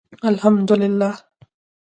الحمدالله